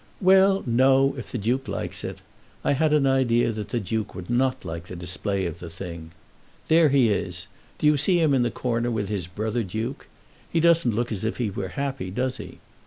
"Well, no; if the Duke likes it. I had an idea that the Duke would not like the display of the thing. There he is. Do you see him in the corner with his brother duke? He doesn't look as if he were happy; does he?